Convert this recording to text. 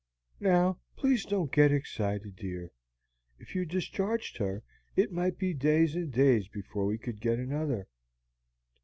"Now, please don't get excited, dear. If you discharged her, it might be days and days before we could get another."